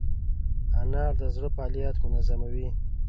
انار د زړه فعالیت منظموي.